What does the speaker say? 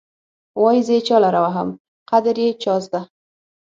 وايې زه یې چا لره وهم قدر يې چا زده.